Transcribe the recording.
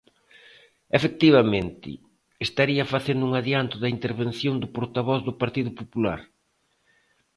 Efectivamente, estaría facendo un adianto da intervención do portavoz do Partido Popular.